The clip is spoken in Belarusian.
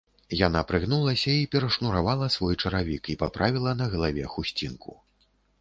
Яна прыгнулася і перашнуравала свой чаравік і паправіла на галаве хусцінку.